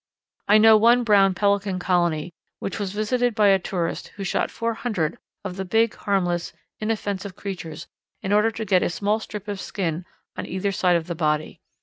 I know one Brown Pelican colony which was visited by a tourist who shot four hundred of the big, harmless, inoffensive creatures in order to get a small strip of skin on either side of the body.